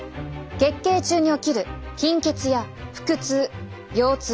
月経中に起きる貧血や腹痛腰痛。